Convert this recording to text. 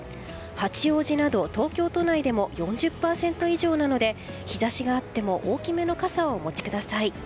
八王子など東京都内でも４０％以上なので日差しがあっても大きめの傘をお持ちください。